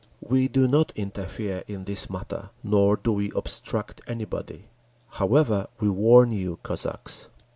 We do not interfere in this matter, nor do we obstruct anybody…. However, we warn you, Cossacks!